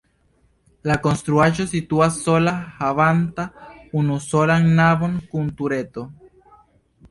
La konstruaĵo situas sola havanta unusolan navon kun tureto.